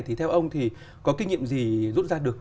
thì theo ông thì có kinh nghiệm gì rút ra được